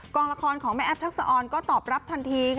องละครของแม่แอฟทักษะออนก็ตอบรับทันที